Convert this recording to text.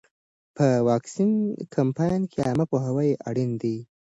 په واکسین کمپاین کې عامه پوهاوی اړین دی.